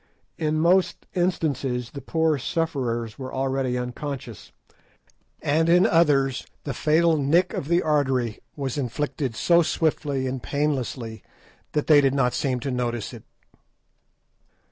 In most instances the poor sufferers were already unconscious, and in others the fatal "nick" of the artery was inflicted so swiftly and painlessly that they did not seem to notice it.